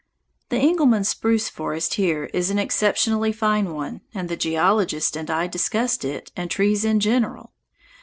The Engelmann spruce forest here is an exceptionally fine one, and the geologist and I discussed it and trees in general.